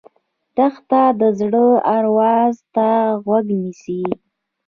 دښته د زړه آواز ته غوږ نیسي.